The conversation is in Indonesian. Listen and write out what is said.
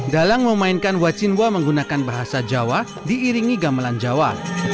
dalang memainkan wacinwa menggunakan bahasa jawa diiringi gamelan jawa